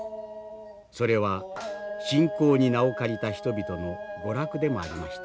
それは信仰に名を借りた人々の娯楽でもありました。